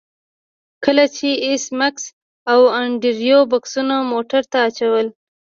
کله چې ایس میکس او انډریو بکسونه موټر ته اچول